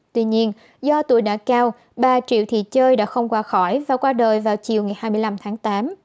tuy nhiên do tuổi đã cao bà triệu thị chơi đã không qua khỏi và qua đời vào chiều ngày hai mươi năm tháng tám